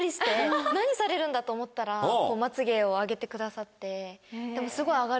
何されるんだと思ったらまつげを上げてくださって。